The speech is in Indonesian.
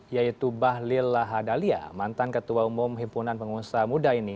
yaitu bahlil lahadalia mantan ketua umum himpunan pengusaha muda ini